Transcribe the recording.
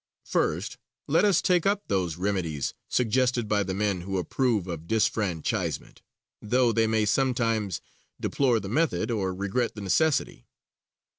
First let us take up those remedies suggested by the men who approve of disfranchisement, though they may sometimes deplore the method, or regret the necessity.